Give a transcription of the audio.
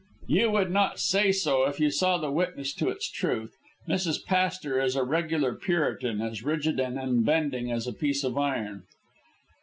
"You would not say so if you saw the witness to its truth. Mrs. Pastor is a regular Puritan, as rigid and unbending as a piece of iron."